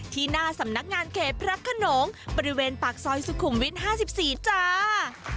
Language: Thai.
ที่หน้าสำนักงานเขตพระขนงบริเวณปากซอยสุขุมวิท๕๔จ้า